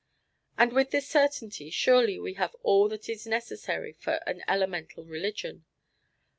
And with this certainty surely we have all that is necessary for an elemental religion.